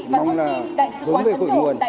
mong là hướng về cội nguồn